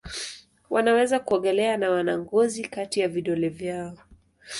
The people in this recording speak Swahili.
Wanaweza kuogelea na wana ngozi kati ya vidole vyao.